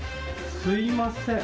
すいません。